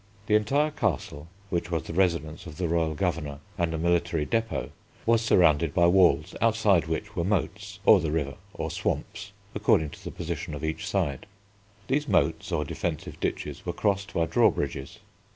The entire Castle, which was the residence of the royal governor, and a military depôt, was surrounded by walls, outside which were moats, or the river, or swamps, according to the position of each side. These moats, or defensive ditches, were crossed by drawbridges.